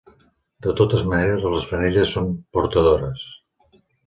De totes maneres, les femelles són portadores.